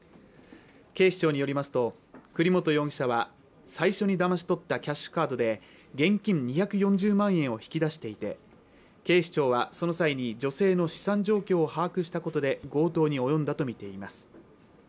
警視庁によりますと栗本容疑者は最初に騙し取ったキャッシュカードで現金２４０万円を引き出していて警視庁はその際に女性の資産状況を把握したことで強盗に及んだとみています